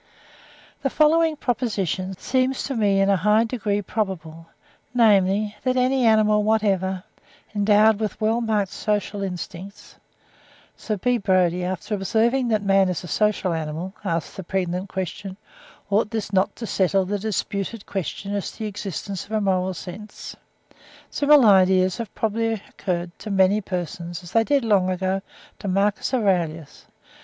The following proposition seems to me in a high degree probable—namely, that any animal whatever, endowed with well marked social instincts (5. Sir B. Brodie, after observing that man is a social animal ('Psychological Enquiries,' 1854, p. 192), asks the pregnant question, "ought not this to settle the disputed question as to the existence of a moral sense?" Similar ideas have probably occurred to many persons, as they did long ago to Marcus Aurelius.